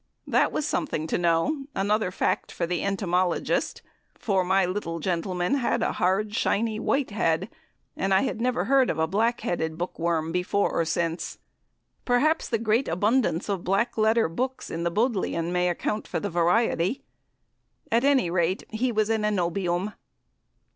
That was something to know another fact for the entomologist; for my little gentleman had a hard, shiny, white head, and I never heard of a black headed bookworm before or since. Perhaps the great abundance of black letter books in the Bodleian may account for the variety. At any rate he was an Anobium.